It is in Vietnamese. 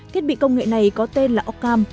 thiết bị công nghệ này có tên là ockham